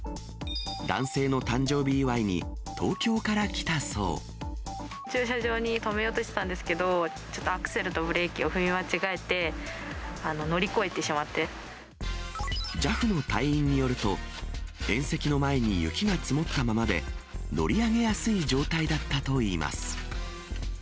男性の誕生日祝いに、駐車場に止めようとしてたんですけど、ちょっとアクセルとブレーキを踏み間違えて、乗り越えＪＡＦの隊員によると、縁石の前に雪が積もったままで、乗り上げやすい状態だったといいます。